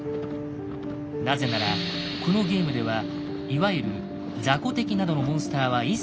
なぜならこのゲームではいわゆるザコ敵などのモンスターは一切出てこない。